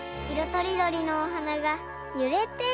とりどりのおはながゆれています。